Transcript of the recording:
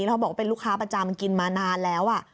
เขาบอกว่าเป็นลูกค้าประจำกินมานานแล้ว